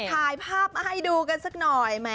ถ่ายภาพมาให้ดูกันสักหน่อย